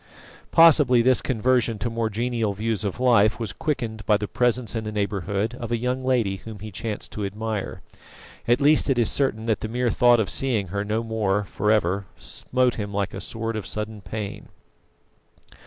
Possibly this conversion to more genial views of life was quickened by the presence in the neighbourhood of a young lady whom he chanced to admire; at least it is certain that the mere thought of seeing her no more for ever smote him like a sword of sudden pain.